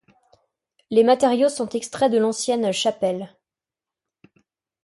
Les matériaux sont extraits de l’ancienne chapelle.